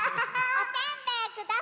おせんべいくださいで。